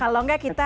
kalau gak kita